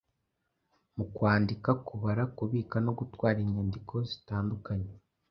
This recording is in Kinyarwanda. Mu kwandika, kubara, kubika no gutwara inyandiko zitandukanye,